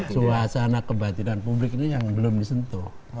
suasana kebatinan publik ini yang belum disentuh